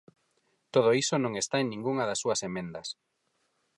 Todo iso non está en ningunha das súas emendas.